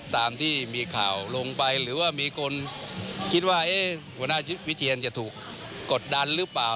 ตามที่มีข่าวลงไปหรือว่ามีคนคิดว่าหัวหน้าวิเทียนจะถูกกดดันหรือเปล่า